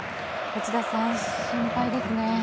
内田さん、心配ですね。